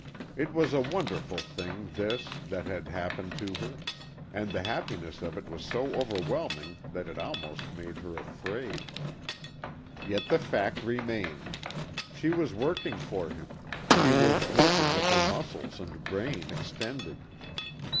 It was a wonderful thing this, that had happened to her, and the happiness of it was so overwhelming that it almost made her afraid. Yet the fact remained. She was working for him, she was working with her muscles and brain extended.